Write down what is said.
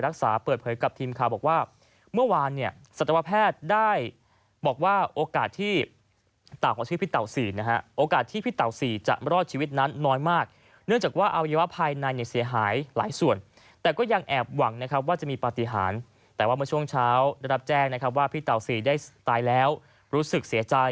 เปิดเผยกับทีมข่าวบอกว่าเมื่อวานเนี่ยสัตวแพทย์ได้บอกว่าโอกาสที่เต่ากว่าชื่อพี่เต่าสี่นะฮะโอกาสที่พี่เต่าสี่จะรอดชีวิตนั้นน้อยมากเนื่องจากว่าอวัยวะภายในเนี่ยเสียหายหลายส่วนแต่ก็ยังแอบหวังนะครับว่าจะมีปฏิหารแต่ว่าเมื่อช่วงเช้าได้รับแจ้งนะครับว่าพี่เต่าสี่ได้ตายแล้วรู้สึกเสียใจ